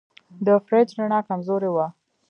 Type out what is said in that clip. د فریج رڼا کمزورې وه.